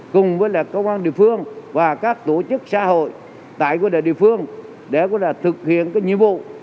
cùng với là công an địa phương và các tổ chức xã hội tại địa phương để thực hiện nhiệm vụ